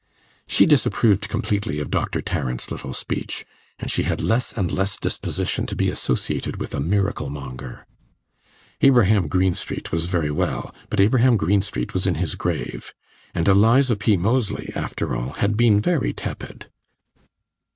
She disapproved completely of Doctor Tarrant's little speech, and she had less and less disposition to be associated with a miracle monger. Abraham Greenstreet was very well, but Abraham Greenstreet was in his grave; and Eliza P. Moseley, after all, had been very tepid.